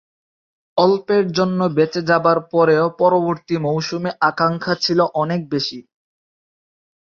অল্পের জন্য বেঁচে যাবার পরেও পরবর্তী মৌসুমে আকাঙ্খা ছিল অনেক বেশি।